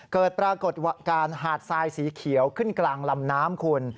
เกิดปรากฏการณ์หาดทรายสีเขียวขึ้นกลางลำน้ำคุณ